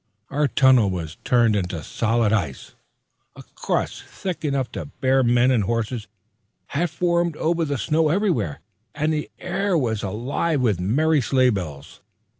Our tunnel was turned into solid ice. A crust thick enough to bear men and horses had formed over the snow everywhere, and the air was alive with merry sleigh bells.